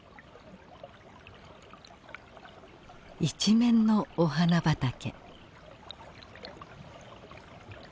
一面のお花畑。